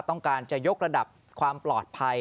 ต้องการจะยกระดับความปลอดภัย